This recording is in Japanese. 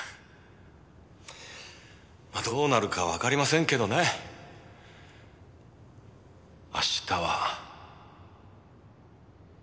まあどうなるかわかりませんけどね明日は。